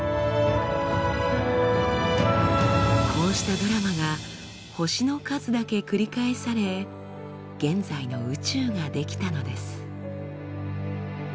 こうしたドラマが星の数だけ繰り返され現在の宇宙が出来たのです。